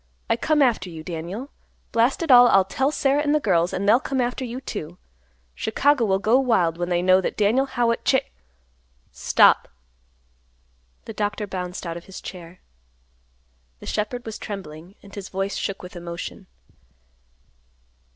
I come after you, Daniel. Blast it all, I'll tell Sarah and the girls, and they'll come after you, too. Chicago will go wild when they know that Daniel Howitt Cha—" "Stop!" The doctor bounced out of his chair. The shepherd was trembling, and his voice shook with emotion.